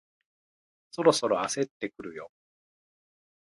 そろそろ焦ってくるよ